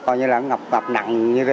nên tình trạng ngập lụt vẫn sẽ còn tiếp diễn